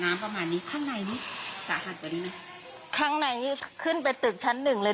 ประมาณนี้ข้างในนี่สาหัสกว่านี้ไหมข้างในนี่ขึ้นไปตึกชั้นหนึ่งเลย